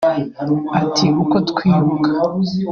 Ati ‘‘Uko twibuka